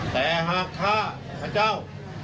แต่หากข้าพเจ้า